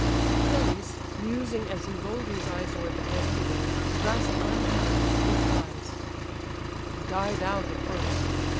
Achilles, musing as he roll'd his eyes O'er the dead hero, thus unheard, replies: "Die thou the first!